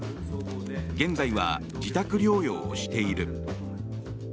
現在は自宅療養をしている。